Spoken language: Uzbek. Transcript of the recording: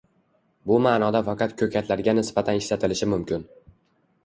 Bu ma’noda faqat ko‘katlarga nisbatan ishlatilishi mumkin.